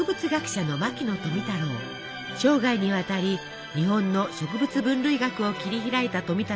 生涯にわたり日本の植物分類学を切り開いた富太郎は大の甘党でした。